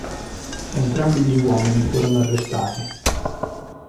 Entrambi gli uomini furono arrestati.